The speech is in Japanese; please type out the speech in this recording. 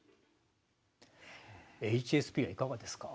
ＨＳＰ、いかがですか？